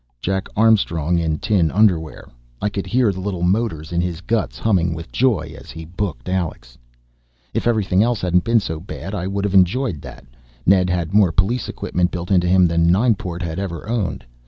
Jack Armstrong in tin underwear. I could hear the little motors in his guts humming with joy as he booked Alex. If everything else hadn't been so bad I would have enjoyed that. Ned had more police equipment built into him than Nineport had ever owned.